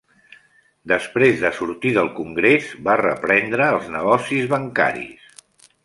Després de sortir del Congrés, va reprendre els negocis bancaris.